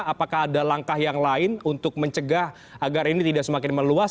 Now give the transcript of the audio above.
apakah ada langkah yang lain untuk mencegah agar ini tidak semakin meluas